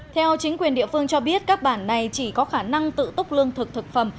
theo chính quyền địa phương cho biết các bản này chỉ có khả năng tự túc lương thực thực phẩm